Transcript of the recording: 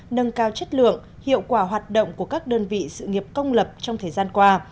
nâng cao chất lượng hiệu quả hoạt động của các đơn vị sự nghiệp công lập trong thời gian qua